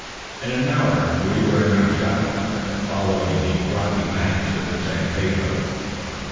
In an hour we were in our saddles, and following the rocky banks of the San Pedro.